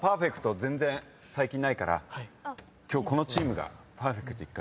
全然最近ないから今日このチームがパーフェクト１回。